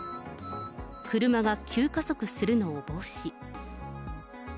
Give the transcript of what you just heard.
車が急加速するのを防止。